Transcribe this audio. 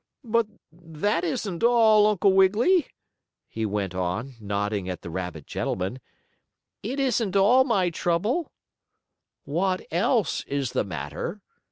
"But that isn't all, Uncle Wiggily," he went on, nodding at the rabbit gentleman. "It isn't all my trouble." "What else is the matter?"